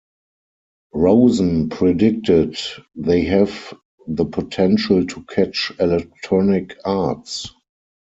Rosen predicted "they have the potential to catch Electronic Arts".